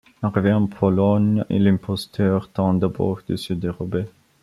Arrivé en Pologne, l’imposteur tente d'abord de se dérober.